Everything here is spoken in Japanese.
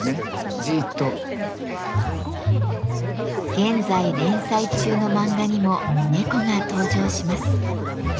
現在連載中の漫画にも猫が登場します。